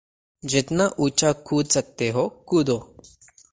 जितना ऊँचा कूद सकते हो कूदो।